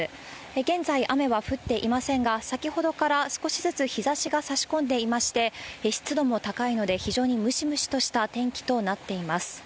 現在、雨は降っていませんが、先ほどから少しずつ日ざしが差し込んでいまして、湿度も高いので、非常にムシムシとした天気となっています。